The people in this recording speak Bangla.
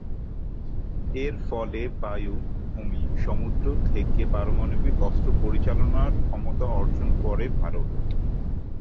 এর ফলে বায়ু, ভূমি ও সমুদ্র থেকে পারমাণবিক অস্ত্র পরিচালনার ক্ষমতা অর্জন করে ভারত।